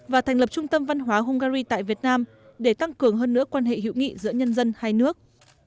và thành lập trung tâm văn hóa hungary tại việt nam để tăng cường hơn nữa quan hệ hữu nghị giữa nhân dân hai nước